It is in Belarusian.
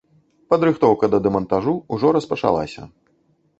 Падрыхтоўка да дэмантажу ўжо распачалася.